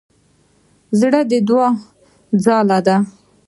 زړه د دوعا ځاله ده.